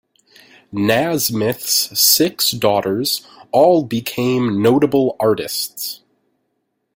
Nasmyth's six daughters all became notable artists.